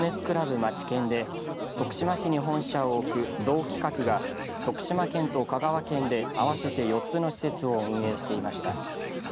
まちけんで徳島市に本社を置く象企画が徳島県と香川県で合わせて４つの施設を運営していました。